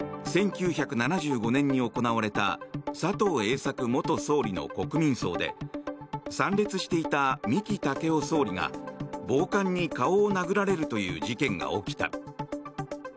１９７５年に行われた佐藤栄作元総理の国民葬で参列していた三木武夫総理が暴漢に顔を殴られるという事件が起きた。